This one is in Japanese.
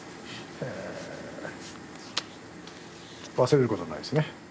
忘れることないですね？